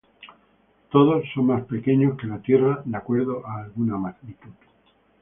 Todos son más pequeños que la Tierra de acuerdo a alguna magnitud.